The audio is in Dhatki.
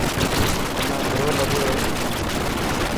تنا برو لڳو هي ڪي.